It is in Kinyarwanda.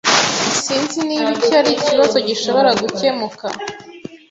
Sinzi niba iki ari ikibazo gishobora gukemuka,